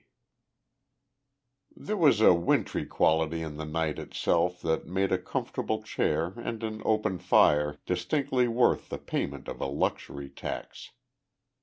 There was a wintry quality in the night itself that made a comfortable chair and an open fire distinctly worth the payment of a luxury tax.